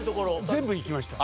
全部行きました。